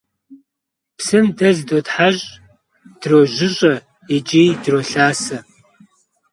Psım de zrıdotheş', drojış'e yiç'i drolhase.